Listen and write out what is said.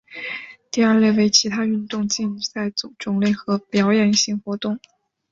第二类为其他运动竞赛种类或表演性活动。